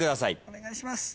お願いします。